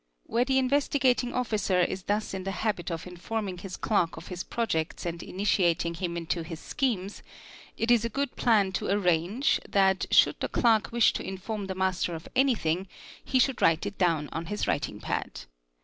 Where the Investigating Officer is thus in the habit of informing his clerk of his projects and initiating him into his schemes, it is a good plan to arrange that should the clerk 'wish to inform the master of anything he should write it down on his writing pad.